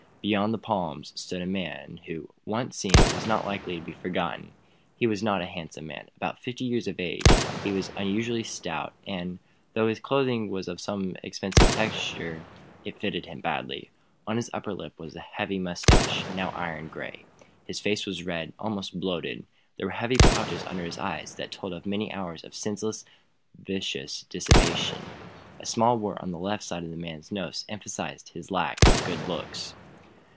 Behind the palms stood a man who, once seen, was not likely to be forgotten. He was not a handsome man. About fifty years of age, he was unusually stout; and, though his clothing was of expensive texture, it fitted him badly. On his upper lip was a heavy moustache, now iron gray. His face was red, almost bloated. There were heavy pouches under his eyes that told of many hours of senseless, vicious dissipation. A small wart on the left side of the man's nose emphasized his lack of good looks.